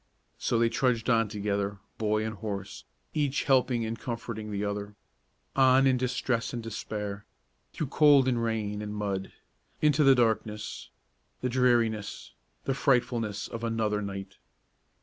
So they trudged on together, boy and horse, each helping and comforting the other, on in distress and despair, through cold and rain and mud, into the darkness, the dreariness, the frightfulness of another night!